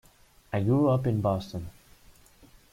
I grew up in Boston.